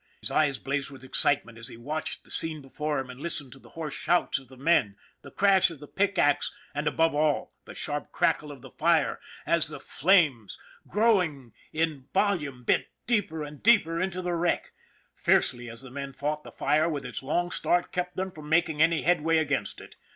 His eyes blazed with excitement as he watched the scene before him and listened to the hoarse shouts of the men, the crash of pick and ax, and, above it all, the sharp crackle of the fire as the flames, growing in 36 ON THE IRON AT BIG CLOUD volume, bit deeper and deeper into the wreck. Fiercely as the men fought, the fire, with its long start, kept them from making any headway against it.